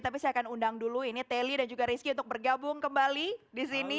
tapi saya akan undang dulu ini teli dan juga rizky untuk bergabung kembali di sini